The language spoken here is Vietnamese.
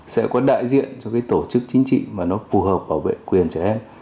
sẽ có đại diện cho cái tổ chức chính trị mà nó phù hợp bảo vệ quyền trẻ em